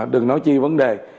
đừng nói chi vấn đề